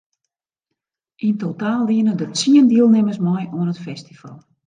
Yn totaal diene der tsien dielnimmers mei oan it festival.